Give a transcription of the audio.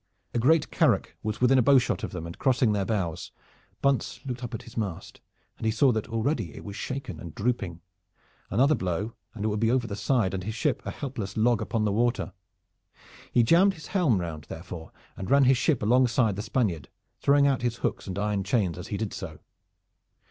A great carack was within a bowshot of them and crossing their bows. Bunce looked up at his mast, and he saw that already it was shaken and drooping. Another blow and it would be over the side and his ship a helpless log upon the water. He jammed his helm round therefore, and ran his ship alongside the Spaniard, throwing out his hooks and iron chains as he did so.